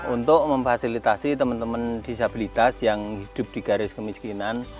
untuk memfasilitasi teman teman disabilitas yang hidup di garis kemiskinan